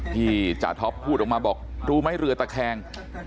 จาท็อปพูดออกมาบอกรู้ไหมเรือตะแคง